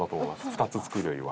２つ作るよりは。